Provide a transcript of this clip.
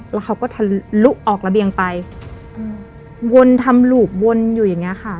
แล้วเขาก็ทะลุออกระเบียงไปวนทำหลูบวนอยู่อย่างเงี้ยค่ะ